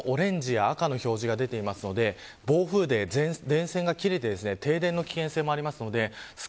通過した後もオレンジや赤の表示が出ていますので暴風で前線が切れて停電の危険性もあります。